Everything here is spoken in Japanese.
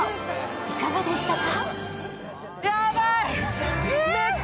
いかがでしたか。